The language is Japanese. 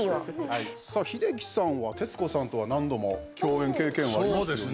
英樹さんは徹子さんとは何度も共演経験はありますよね。